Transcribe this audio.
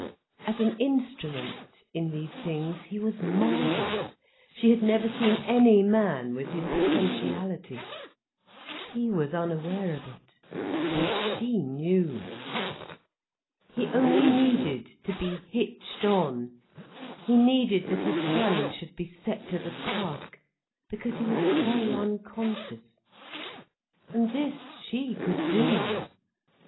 As an instrument, in these things, he was marvellous, she had never seen any man with his potentiality. He was unaware of it, but she knew. He only needed to be hitched on, he needed that his hand should be set to the task, because he was so unconscious. And this she could do.